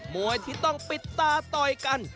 มวยที่ต้องปิดตาต่อยกัน